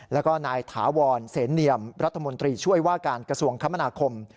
แล้วก็นายถาวรเสนเนียมรัฐมนตรีช่วยว่าการกระทรวงคมนาคม